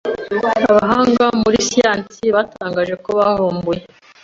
Abahanga muri siyansi batangaje ko bavumbuye '